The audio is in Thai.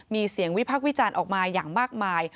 มีเสียงวิพักษ์วิจารณ์ออกมาอย่างมากมาย